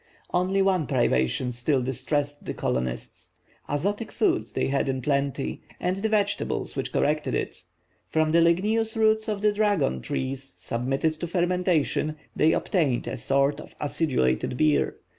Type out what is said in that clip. Only one privation still distressed the colonists. Azotic food they had in plenty, and the vegetables which corrected it; from the ligneous roots of the dragon trees, submitted to fermentation, they obtained a sort of acidulated beer.